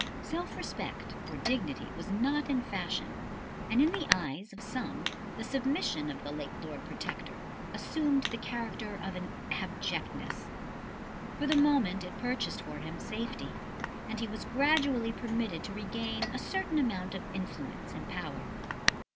Self respect or dignity was not in fashion, and in the eyes of some the submission of the late Lord Protector assumed the character of an "abjectness." For the moment it purchased for him safety, and he was gradually permitted to regain a certain amount of influence and power.